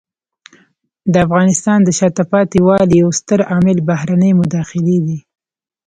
د افغانستان د شاته پاتې والي یو ستر عامل بهرنۍ مداخلې دي.